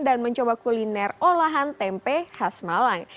dan mencoba kuliner olahan tempe khas malang